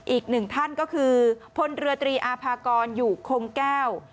อีกหนึ่งท่านก็คือพลเรือตรีอาภากรอยู่คมแก้ว